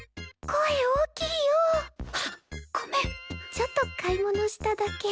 ちょっと買い物しただけ。